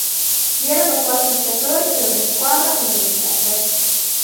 Vi erano quattro sciatori per ogni squadra con due riserve.